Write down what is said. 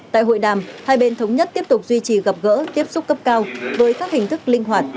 tại hội đàm hai bên thống nhất tiếp tục duy trì gặp gỡ tiếp xúc cấp cao với các hình thức linh hoạt